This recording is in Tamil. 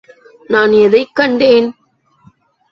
நான் எதைக் கண்டேன்?